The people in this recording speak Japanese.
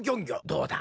どうだ？